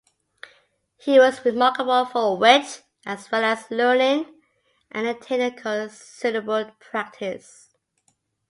He was remarkable for wit as well as learning, and attained a considerable practice.